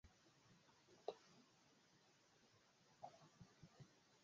Spite tion li eklaboris en statistika oficejo.